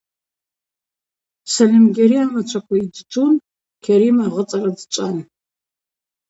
Сальымгьари амачваква йджвджвун, Кьарим агъыцӏара дчӏван.